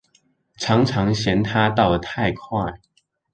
常常嫌牠到得太快